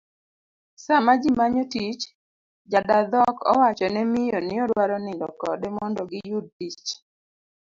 Sama ji manyo tich, jadadhok owachone miyo ni odwaro nindo kode mondo giyud tich